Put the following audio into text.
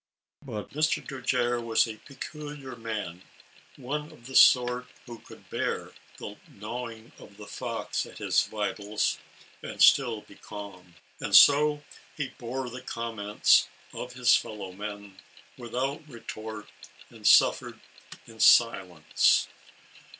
But Mr. Dojere was a peculiar man, one of the sort, who could bear the gnawing of the fox at his vitals and still be calm, and so he bore the comments of his fellow men, without retort, and suffered in silence.